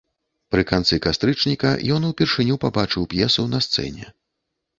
Пры канцы кастрычніка ён упершыню пабачыў п'есу на сцэне.